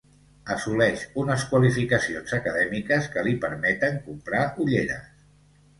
Assoleix unes qualificacions acadèmiques que li permeten comprar ulleres.